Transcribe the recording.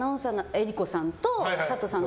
江里子さんとサトさん。